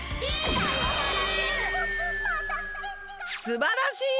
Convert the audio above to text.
すばらしい！